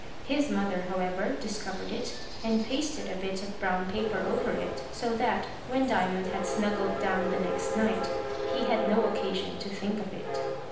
His mother, however, discovered it, and pasted a bit of brown paper over it, so that, when Diamond had snuggled down the next night, he had no occasion to think of it.